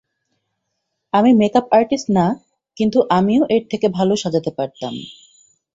আমি makeup artist না, কিন্তু আমিও এর থেকে ভালো সাঁজাতে পারতাম।